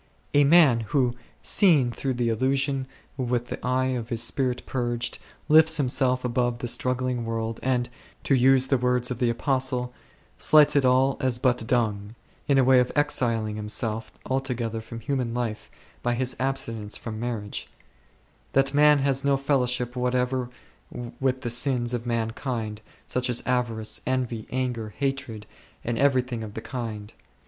A man who, seeing through the illusion with the eye of his spirit purged, lifts himself above the struggling world, and, to use the words of the Apostle, slights it all as but dung, in a wayexiling himself altogether from human life by his abstinence from mar riage,— that man has no fellowship whatever with the sins of mankind, such as avarice, envy, anger, hatred, and everything of the kind.